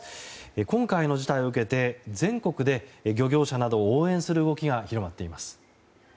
今回の事態を受けて全国で漁業者などを応援する動きが広まっています。